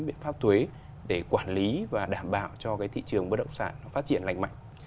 biện pháp thuế để quản lý và đảm bảo cho cái thị trường bất động sản nó phát triển lành mạnh